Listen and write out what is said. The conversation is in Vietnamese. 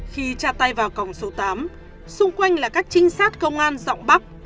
khi cha tay vào cổng số tám xung quanh là các trinh sát công an rộng bắp